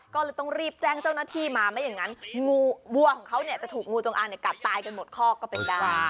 ก็เลยต้องรีบแจ้งเจ้าหน้าที่มาไม่อย่างนั้นงูวัวของเขาเนี่ยจะถูกงูจงอางกัดตายกันหมดคอกก็เป็นได้